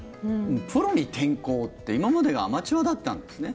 プロに転向って、今までがアマチュアだったんですね。